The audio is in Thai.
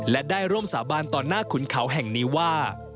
และได้ร่วมสาบานต่อหน้าขุนเขาแห่งนี้ว่า